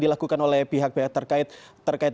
dilakukan oleh pihak pihak terkait terkait